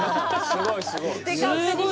すごいすごい。